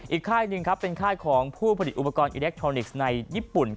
ค่ายหนึ่งเป็นค่ายของผู้ผลิตอุปกรณ์อิเล็กทรอนิกส์ในญี่ปุ่น